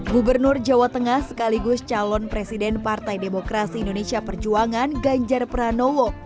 gubernur jawa tengah sekaligus calon presiden partai demokrasi indonesia perjuangan ganjar pranowo